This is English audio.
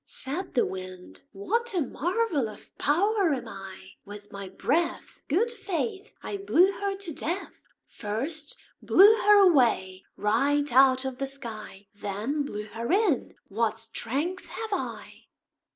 Said the Wind "What a marvel of power am I! With my breath, Good faith! I blew her to death First blew her away right out of the sky Then blew her in; what strength have I!"